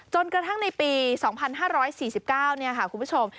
จนกระทั่งในปี๒๕๔๙คุณผู้ชม